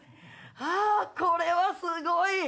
あこれはすごい！